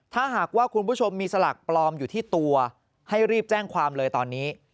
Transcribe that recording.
ถ้าหากว่าคุณผู้ชมมีสลากปลอมอยู่ที่ตัวให้รีบแจ้งความเลยตอนนี้